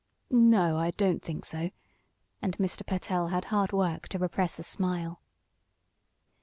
"No, I don't think so," and Mr. Pertell had hard work to repress a smile.